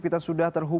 kita sudah tanya tanya